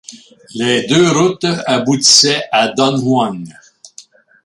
Les deux routes aboutissaient à Dunhuang.